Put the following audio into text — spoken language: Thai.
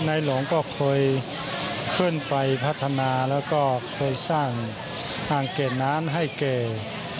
ไนหลวงก็เคยขึ้นไปพัฒนาและสร้างอ่างเกดน้านให้เกด